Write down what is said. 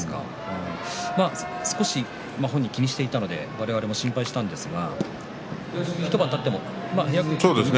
本人、気にしていたので我々も心配してたんですが一晩たっても。